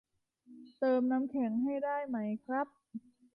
เติมน้ำแข็งให้ได้ไหมครับ